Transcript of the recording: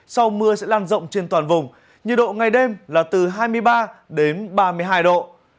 sau mưa sẽ lan rộng trên toàn vùng nhiệt độ ngày đêm là từ hai mươi ba đến ba mươi hai độ